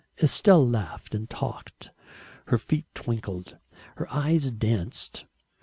Estelle laughed and talked, her feet twinkled, her eyes danced.